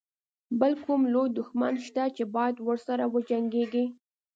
بل کوم لوی دښمن شته چې باید ورسره وجنګيږي.